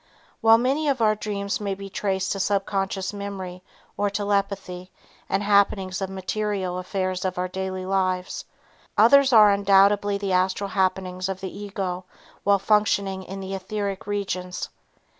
While many of our dreams may be traced to subconscious memory or telepathy and happenings of material affairs of our daily lives, others are undoubtedly the astral happenings of the ego while functioning in the etheric regions.